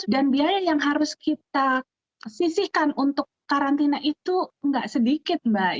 dan biaya yang harus kita sisihkan untuk karantina itu nggak sedikit mbak